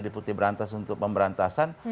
deputi berantas untuk pemberantasan